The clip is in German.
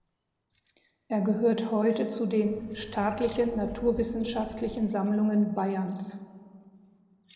Er gehört heute zu den "Staatlichen Naturwissenschaftlichen Sammlungen Bayerns".